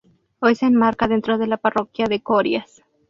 Hoy se enmarca dentro de la parroquia de Corias.